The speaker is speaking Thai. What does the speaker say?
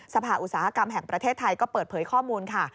อุตสาหกรรมแห่งประเทศไทยก็เปิดเผยข้อมูลค่ะ